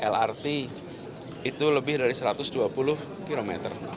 lrt itu lebih dari satu ratus dua puluh km